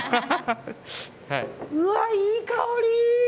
うわ、いい香り！